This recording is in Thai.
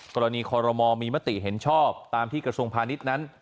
กรณีคอรมอลมีมติเห็นชอบตามที่กระทรวงพาณิชย์นั้น